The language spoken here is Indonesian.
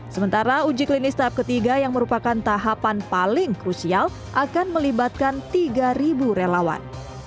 sementara uji klinis tahap ketiga yang merupakan tahapan paling krusial akan melibatkan tiga relawan